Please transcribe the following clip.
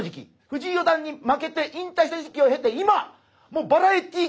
藤井四段に負けて引退した時期を経て今！